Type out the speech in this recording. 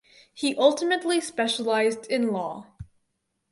He ultimately specialized in law.